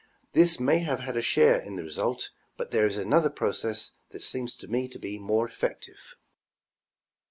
This may have had a share in the result, but there is another process that seems to me moi'e eifective.